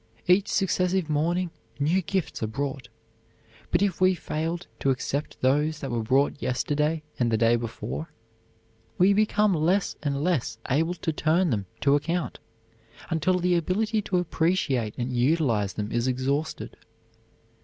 Each successive morning new gifts are brought, but if we failed to accept those that were brought yesterday and the day before, we become less and less able to turn them to account, until the ability to appreciate and utilize them is exhausted.